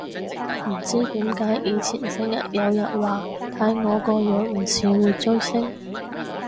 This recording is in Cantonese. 唔知點解以前成日有人話睇我個樣唔似會追星